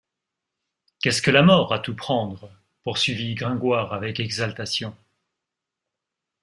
Qu’est-ce que la mort, à tout prendre? poursuivit Gringoire avec exaltation.